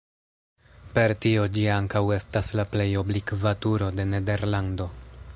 Per tio ĝi ankaŭ estas la plej oblikva turo de Nederlando.